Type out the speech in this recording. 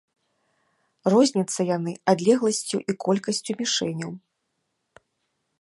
Розняцца яны адлегласцю і колькасцю мішэняў.